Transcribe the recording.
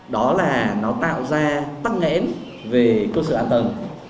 đó là nó tạo ra tăng nghẽn về cơ sở hạ tầng